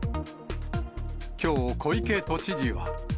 きょう、小池都知事は。